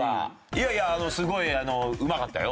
いやいやすごいうまかったよ。